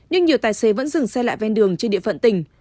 nhưng nhiều tài xế vẫn dừng xe lại ven đường trên địa phận tỉnh